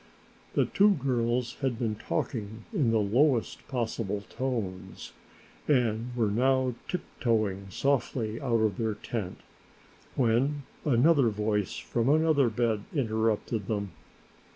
The two girls had been talking in the lowest possible tones and were now tiptoeing softly out of their tent, when another voice from another bed interrupted them.